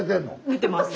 出てます。